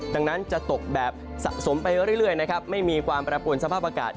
ดังนั้นจะตกแบบสะสมไปเรื่อยนะครับไม่มีความแปรปวนสภาพอากาศ